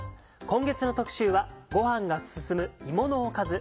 今月の特集はごはんがすすむ芋のおかず。